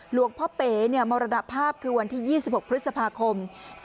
หลวงพ่อเป๋มรณภาพคือวันที่๒๖พฤษภาคม๒๕๖